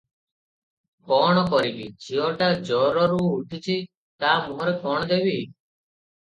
କ’ଣ କରିବି, ଝିଅଟା ଜରରୁ ଉଠିଛି, ତା’ ମୁହଁରେ କ’ଣ ଦେବି?